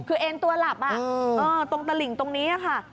คือเอ็นตัวหลับตรงตะหลิ่งตรงนี้ค่ะ